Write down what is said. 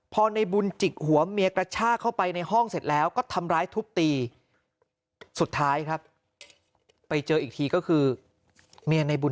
พอในบุญจิกหัวเมียกระชากเข้าไปในห้องเสร็จแล้วก็ทำร้ายทุบตีสุดท้ายครับไปเจออีกทีก็คือเมียในบุญ